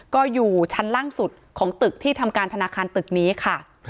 ก็อยู่ชั้นล่างสุดของตึกที่ทำการธนาคารตึกนี้ค่ะ